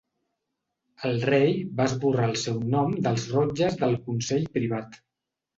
El rei va esborrar el seu nom dels rotlles del Consell Privat.